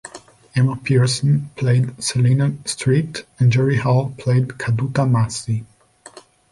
Emma Pierson played Selina Street, and Jerry Hall played Caduta Massi.